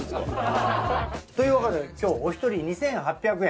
というわけで今日お一人２，８００円。